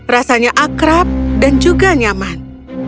rasanya akrab dan juga nyaman